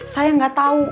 saya gak tahu